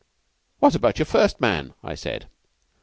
"'What about your first man?' I said.